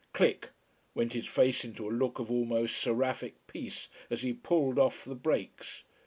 Click! went his face into a look of almost seraphic peace, as he pulled off the brakes.